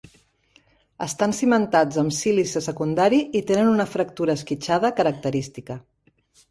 Estan cimentats amb sílice secundari i tenen una fractura esquitxada característica.